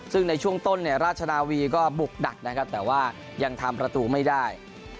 ซึ่งในช่วงต้นเนี่ยราชนาวีก็บุกดักนะครับแต่ว่ายังทำประตูไม่ได้